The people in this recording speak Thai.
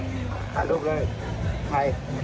ถ่ายรูปเลยใคร